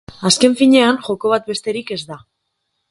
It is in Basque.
Azken fiñean, joko bat besterik ez da